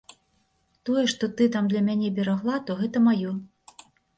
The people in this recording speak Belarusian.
Тое, што ты там для мяне берагла, то гэта маё.